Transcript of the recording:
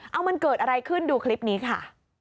เอามันเกิดอะไรขึ้นดูคลิปนี้ค่ะ